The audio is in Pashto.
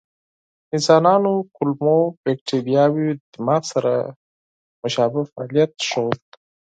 د انسانانو کولمو بکتریاوې د دماغ سره مشابه فعالیت ښود.